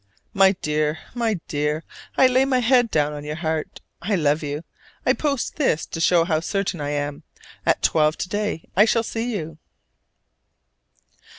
My dear, my dear, I lay my head down on your heart: I love you! I post this to show how certain I am. At twelve to day I shall see you.